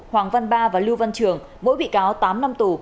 hoàng văn ba và lưu văn trường mỗi bị cáo tám năm tù